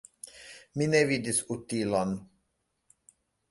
Mi ne vidis utilon.